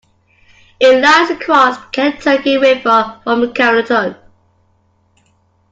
It lies across the Kentucky River from Carrollton.